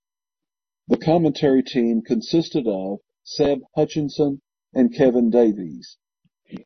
The commentary team consisted of Seb Hutchinson and Kevin Davies.